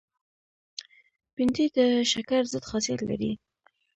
بېنډۍ د شکر ضد خاصیت لري